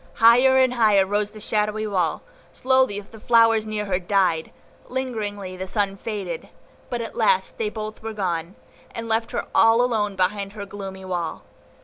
Higher and higher rose the shadowy wall, slowly the flowers near her died, lingeringly the sunlight faded; but at last they both were gone, and left her all alone behind the gloomy wall.